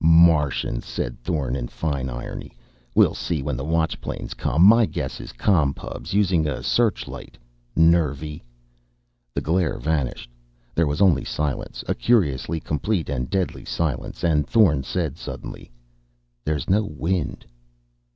"Martians!" said Thorn in fine irony. "We'll see when the Watch planes come! My guess is Com Pubs, using a searchlight! Nervy!" The glare vanished. There was only silence, a curiously complete and deadly silence. And Thorn said, suddenly: "There's no wind!"